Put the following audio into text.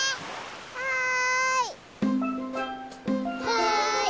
はい。